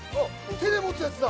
手で持つやつだ。